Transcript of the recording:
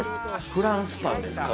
フランスパンですか？